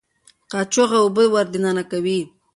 قاچوغه اوبه ور دننه کوي.